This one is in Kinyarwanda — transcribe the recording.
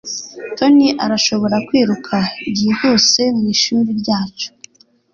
Tony arashobora kwiruka byihuse mwishuri ryacu